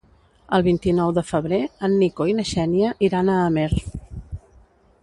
El vint-i-nou de febrer en Nico i na Xènia iran a Amer.